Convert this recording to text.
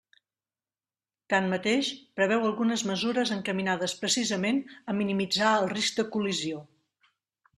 Tanmateix, preveu algunes mesures encaminades precisament a minimitzar el risc de col·lisió.